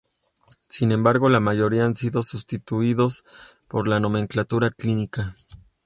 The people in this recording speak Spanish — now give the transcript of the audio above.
Sin embargo, la mayoría han sido sustituidos por la nomenclatura clínica.